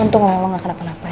untung lah lo gak kena pelapa ya